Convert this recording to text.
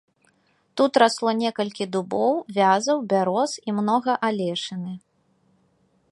Тут расло некалькі дубоў, вязаў, бяроз і многа алешыны.